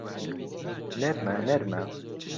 نەرمە نەرمە